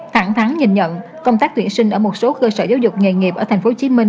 thẳng thắng nhìn nhận công tác tuyển sinh ở một số cơ sở giáo dục nghề nghiệp ở tp hcm